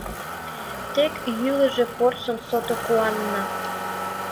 Тек йӱлыжӧ порсын — сото куанна.